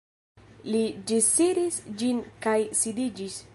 Li ĝisiris ĝin kaj sidiĝis.